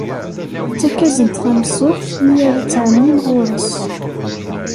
Ittak-asen-d tameẓẓuɣt mi ara ttɛennin ɣur-s.